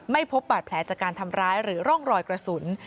พบบาดแผลจากการทำร้ายหรือร่องรอยกระสุน